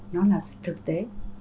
nó là thực tế